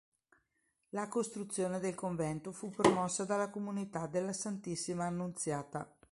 La costruzione del convento fu promossa dalla Comunità della Santissima Annunziata.